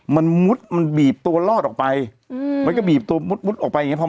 มันมุดมันบีบตัวลอดออกไปอืมมันก็บีบตัวมุดมุดออกไปอย่างเงี้พอ